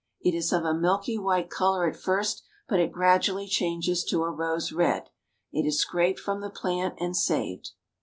It is of a milky white color at first, but it gradually changes to a rose red. It is scraped from the plant and saved.